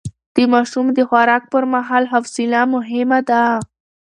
د ماشوم د خوراک پر مهال حوصله مهمه ده.